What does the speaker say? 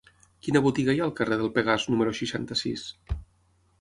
Quina botiga hi ha al carrer del Pegàs número seixanta-sis?